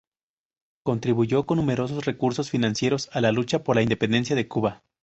Contribuyó con numerosos recursos financieros a la lucha por la independencia de Cuba.